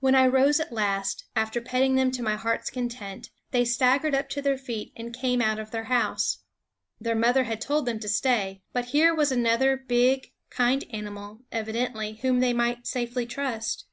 When I rose at last, after petting them to my heart's content, they staggered up to their feet and came out of their house. Their mother had told them to stay ; but here was another big kind animal, evidently, whom THE WOODS they might safely trust.